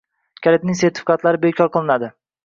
kalitlarining sertifikatlari bekor qilinadi